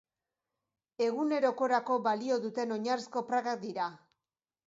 Egunerokorako balio duten oinarrizko prakak dira.